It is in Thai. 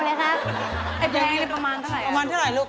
แบงค์นี้ประมาณเท่าไรล่ะลูกประมาณเท่าไรลูก